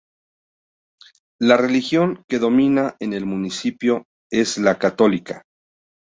La religión que domina en el municipio es la católica.